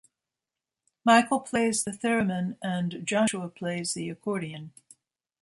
Michael plays the theremin and Joshua plays the accordion.